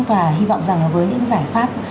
và hy vọng rằng với những giải pháp